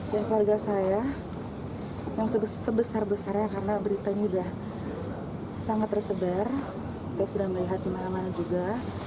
dan keluarga saya yang sebesar besarnya karena berita ini sudah sangat tersebar saya sudah melihat di mana mana juga